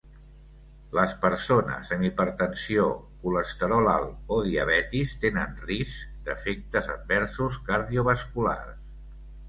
Les persones amb hipertensió, colesterol alt o diabetis tenen risc d'efectes adversos cardiovasculars.